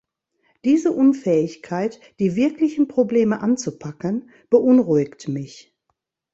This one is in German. Diese Unfähigkeit, die wirklichen Probleme anzupacken, beunruhigt mich.